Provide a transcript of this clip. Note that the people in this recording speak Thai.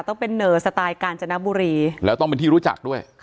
ต้องเป็นเหนอสไตล์กาญจนบุรีแล้วต้องเป็นที่รู้จักด้วย